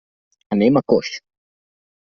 Anem a Coix.